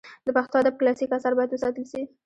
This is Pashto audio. د پښتو ادب کلاسیک آثار باید وساتل سي.